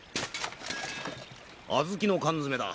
小豆の缶詰だ。